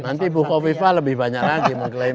nanti bu kofifa lebih banyak lagi mengklaim